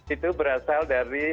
itu berasal dari